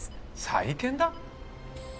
再建だ？